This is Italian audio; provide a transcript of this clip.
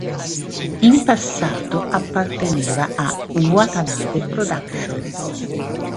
In passato apparteneva a Watanabe Productions.